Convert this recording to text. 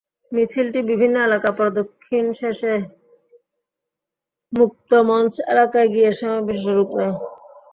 মিছিলটি বিভিন্ন এলাকা প্রদক্ষিণ শেষে মুক্তমঞ্চ এলাকায় গিয়ে সমাবেশে রূপ নেয়।